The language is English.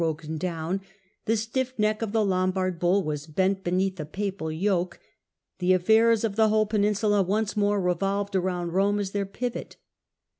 * broken down, the stiflF neck of the Lombard bull was bent beneath the papal yoke ; the affairs of the whole peninsula once more revolved round Rome as their pivot.